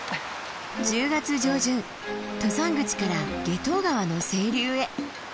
１０月上旬登山口から夏油川の清流へ。